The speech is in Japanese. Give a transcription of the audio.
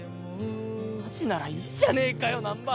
マジならいいじゃねえかよ難破！